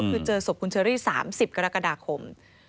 คือเจอสบฮุนเชอริ๓๐กรกฎาคม